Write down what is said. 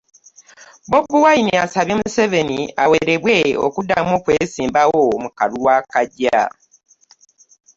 Bobi Wine asabye Museveni awerebwe okuddamu okwesimbawo mu kalulu akajja